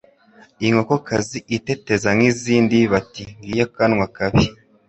Inkokokazi iteteza nk’izindi bati ngiyo kanwa kabi